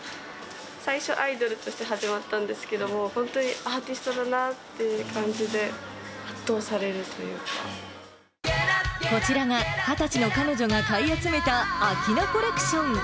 最初、アイドルとして始まったんですけども、本当にアーティストだなっていう感じで、こちらが、２０歳の彼女が買い集めた、明菜コレクション。